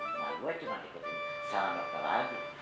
cuma gue cuma ikutin saran dokter aja